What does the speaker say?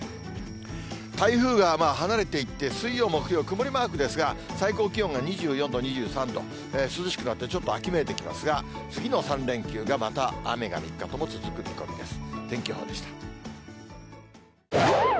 台風が離れていって、水曜、木曜、曇りマークですが、最高気温が２４度、２３度、涼しくなってちょっと秋めいてきますが、次の３連休がまた雨が３日とも続く見込みです。